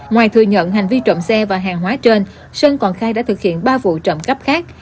ngoài thừa nhận hành vi trộm xe và hàng hóa trên sơn còn khai đã thực hiện ba vụ trộm cắp khác